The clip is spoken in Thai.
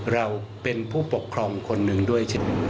เราเป็นผู้ปกครองคนหนึ่งด้วย